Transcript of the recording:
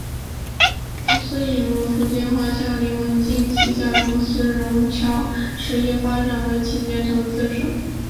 公司引入福建华侨林文镜旗下公司融侨实业发展为企业投资者。